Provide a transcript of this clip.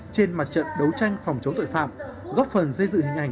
trên mặt trận đấu tranh phòng chống tội phạm góp phần dây dự hình ảnh